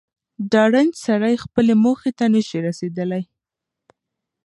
ډارن سړی خپلي موخي ته نه سي رسېدلاي